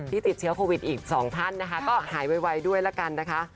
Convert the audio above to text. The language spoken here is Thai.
ที่ติดเฉียวโควิด๖๐๐๐นะคะก็หายไวด้วยแล้วกันนะคะ